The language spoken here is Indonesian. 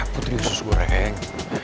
putri usus goreng